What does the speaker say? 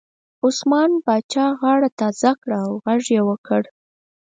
عثمان جان پاچا غاړه تازه کړه او غږ یې وکړ.